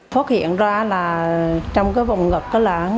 phát hiện ra là trong cái vùng ngập có lãng